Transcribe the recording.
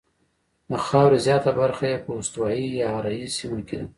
د خاورې زیاته برخه یې په استوایي یا حاره یې سیمه کې ده.